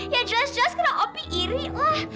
ya jelas jelas karena opi iri lah